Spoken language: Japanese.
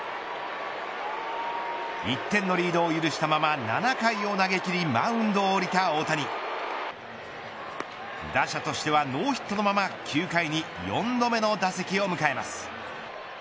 １点のリードを許したまま７回を投げ切りマウンドを降りた大谷打者としてはノーヒットのまま９回に４度目の打席を迎えます。